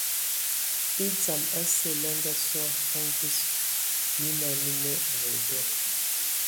E dzam asǝ lə ngasō a mvus, mina mii nə ai dɔ.